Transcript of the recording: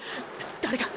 誰か！！